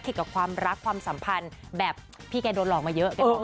กับความรักความสัมพันธ์แบบพี่แกโดนหลอกมาเยอะ